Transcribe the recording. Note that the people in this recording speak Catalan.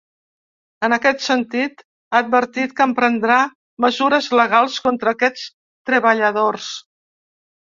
En aquest sentit, ha advertit que emprendrà mesures legals contra aquests treballadors.